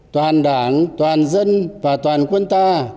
toàn đảng toàn dân và toàn quân ta